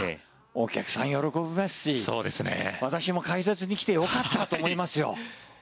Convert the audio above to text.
お客さん喜びますし私も解説に来てよかったと思いますよ。